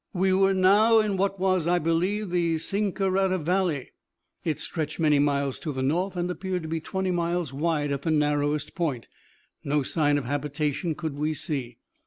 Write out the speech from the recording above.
We were now in what was, I believe, the Sinkarata Valley. It stretched many miles to the north, and appeared to be twenty miles wide at the narrowest point. No sign of habitation could we see.